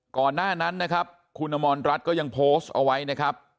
ก่อนหน้านั้นนะครับคุณอมรรัฐก็ยังโพสต์เอาไว้นะครับ